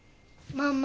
ママ？